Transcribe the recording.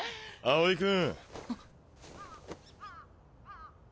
青井君。